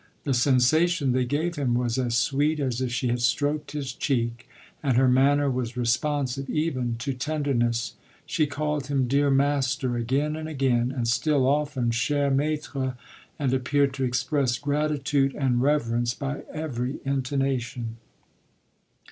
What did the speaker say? The sensation they gave him was as sweet as if she had stroked his cheek, and her manner was responsive even to tenderness. She called him "Dear master" again and again, and still often "Cher maître," and appeared to express gratitude and reverence by every intonation.